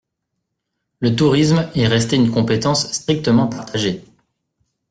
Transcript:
Le tourisme est resté une compétence strictement partagée.